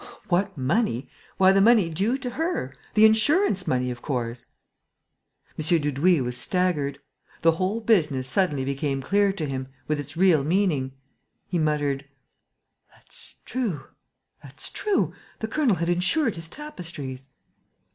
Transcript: "What money? Why, the money due to her! The insurance money, of course!" M. Dudouis was staggered. The whole business suddenly became clear to him, with its real meaning. He muttered: "That's true!... That's true!... The colonel had insured his tapestries...."